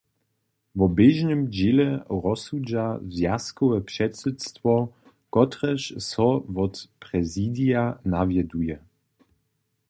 Wo běžnym dźěle rozsudźa zwjazkowe předsydstwo, kotrež so wot prezidija nawjeduje.